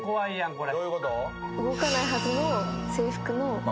これ？